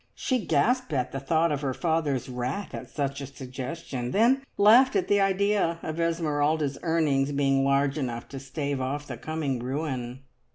She gasped at the thought of her father's wrath at such a suggestion, then laughed at the idea of Esmeralda's earnings being large enough to stave off the coming ruin.